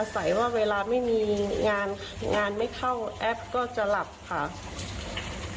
ใส่ว่าเวลาไม่มีงานงานไม่เข้าแอปก็จะหลับค่ะ